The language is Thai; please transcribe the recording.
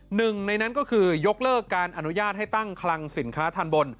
หนึ่งในนั้นก็คือยกเลิกการอนุญาตให้ตั้งคลังสินค้าทันบน